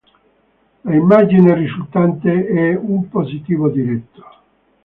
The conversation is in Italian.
L'immagine risultante è un positivo diretto.